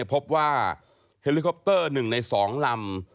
พบว่าเฮลิคอปเตอร์๑ใน๒ลำ